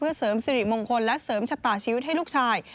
เสริมสิริมงคลและเสริมชะตาชีวิตให้ลูกชาย